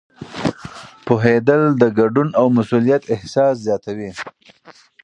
پوهېدل د ګډون او مسؤلیت احساس زیاتوي.